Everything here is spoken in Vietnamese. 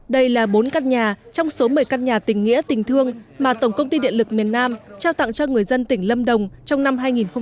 đây là bốn căn nhà trong số một mươi căn nhà tỉnh nghĩa tỉnh thương mà tổng công ty điện lực miền nam trao tặng cho người dân tỉnh lâm đồng trong năm hai nghìn một mươi tám